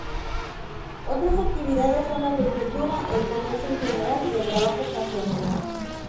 Otras actividades son la agricultura, el comercio en general y el trabajo ocasional.